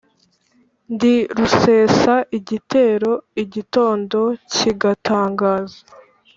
Ndi rusesa igitero igitondo kigatangaza.